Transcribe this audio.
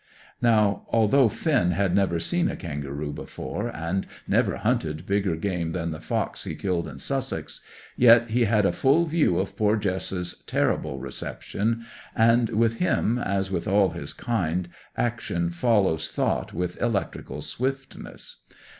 Now, although Finn had never seen a kangaroo before, and never hunted bigger game than the fox he killed in Sussex, yet he had a full view of poor Jess's terrible reception, and with him, as with all his kind, action follows thought with electrical swiftness.